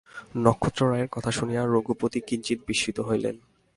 নক্ষত্ররায়ের কথা শুনিয়া রঘুপতি কিঞ্চিৎ বিস্মিত হইলেন।